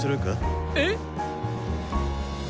えっ！